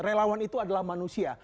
relawan itu adalah manusia